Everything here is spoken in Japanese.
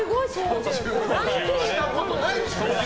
したことないでしょ、操縦。